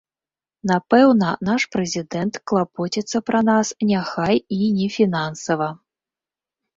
Напэўна, наш прэзідэнт клапоціцца пра нас, няхай і не фінансава.